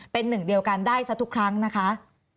เป็นหนึ่งเดียวกันได้ซะทุกครั้งนะคะ